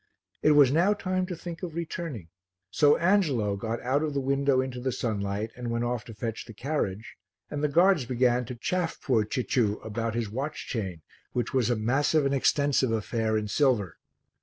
It was now time to think of returning, so Angelo got out of the window into the sunlight and went off to fetch the carriage and the guards began to chaff poor Cicciu about his watch chain which was a massive and extensive affair in silver.